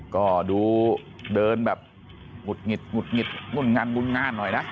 ก็ดูเดินแบบหงุดหงิดหุดหงิดงุ่นงันงุ่นงานหน่อยนะ